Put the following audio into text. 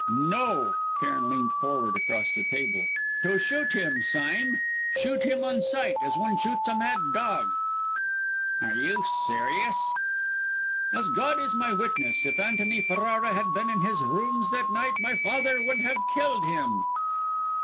"No." Cairn leant forward across the table "to shoot him, Sime, shoot him on sight, as one shoots a mad dog!" "Are you serious?" "As God is my witness, if Antony Ferrara had been in his rooms that night, my father would have killed him!"